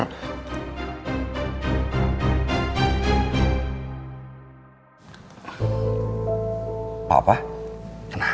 lepas aja udah berada diri